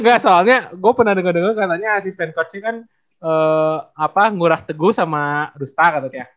engga soalnya gue pernah denger denger katanya asisten coachnya kan ngurah teguh sama rusta katanya